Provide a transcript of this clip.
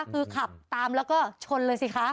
คือขับตามแล้วก็ชนเลยสิคะ